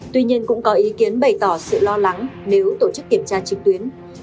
tuy nhiên cũng có ý kiến bày tỏ sự lo lắng nếu tổ chức kiểm tra trực tuyến